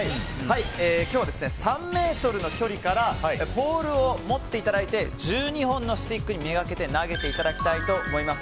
今日は３ｍの距離からポールを持っていただき１２本のスティックにめがけて投げていただきたいと思います。